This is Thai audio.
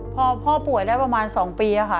พอพ่อป่วยได้ประมาณ๒ปีค่ะ